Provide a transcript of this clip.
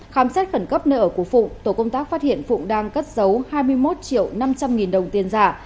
khám xét khẩn cấp nơi ở của phụng tổ công tác phát hiện phụng đang cất giấu hai mươi một triệu năm trăm linh nghìn đồng tiền giả